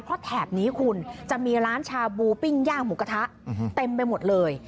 เพราะแถบนี้คุณจะมีร้านชาบูปิ้งย่างหมูกระทะเต็มไปหมดเลย